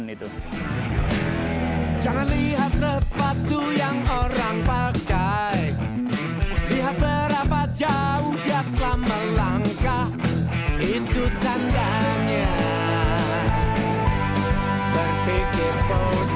itu tahun tahun tahun dua ribu sembilan